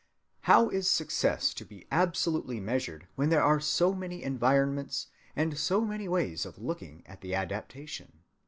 How is success to be absolutely measured when there are so many environments and so many ways of looking at the adaptation?